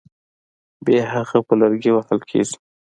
بیا هغه په لرګي وهل کېږي.